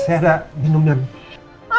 kita minum bareng dulu